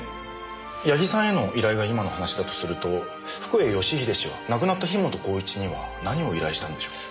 矢木さんへの依頼が今の話だとすると福栄義英氏は亡くなった樋本晃一には何を依頼したんでしょう？